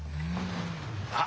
あっ！